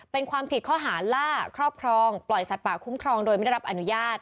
เป็นความผิดข้อหาล่าครอบครองปล่อยสัตว์ป่าคุ้มครองโดยไม่ได้รับอนุญาต